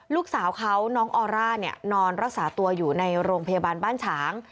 ลูกสาวเขาน้องออร่าเนี่ยนอนรักษาตัวอยู่ในโรงพยาบาลบ้านฉาง